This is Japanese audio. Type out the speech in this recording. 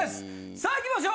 さあいきましょう！